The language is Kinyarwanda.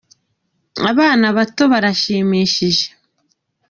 Abana bato barashimishije.